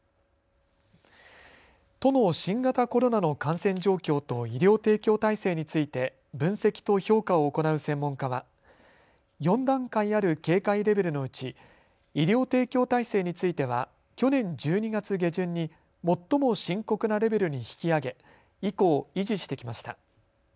都の新型コロナの感染状況と医療提供体制について分析と評価を行う専門家は４段階ある警戒レベルのうち医療提供体制については去年１２月下旬に最も深刻なレベルに引き上げ以降、維持してきました。